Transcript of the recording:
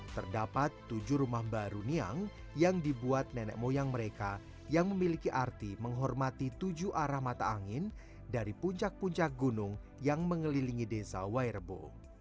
terdapat tujuh rumah baru niang yang dibuat nenek moyang mereka yang memiliki arti menghormati tujuh arah mata angin dari puncak puncak gunung yang mengelilingi desa wairebo